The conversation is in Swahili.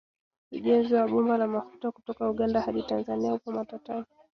Ujenzi wa bomba la mafuta kutoka Uganda hadi Tanzania upo matatani